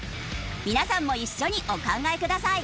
皆さんも一緒にお考えください。